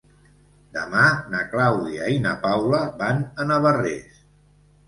Demà na Clàudia i na Paula van a Navarrés.